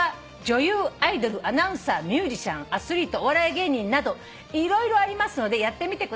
女優アイドルアナウンサーミュージシャンアスリートお笑い芸人など色々ありますのでやってみてください」